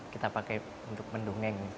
kita pakai untuk mendongeng